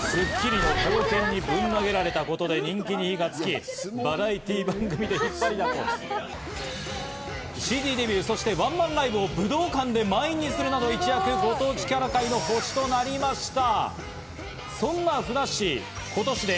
『スッキリ』の狂犬にぶん投げられたことで人気に火がつき、バラエティー番組でＣＤデビュー、そしてワンマンライブを武道館を満員にするなど、一躍ご当地キャラの星となりました。